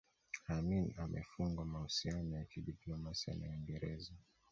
Amin amefungwa mahusiano ya kidiplomasia na Uingereza